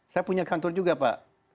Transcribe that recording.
saya punya kantor juga pak